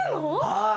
はい。